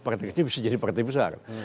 partai ini bisa jadi partai besar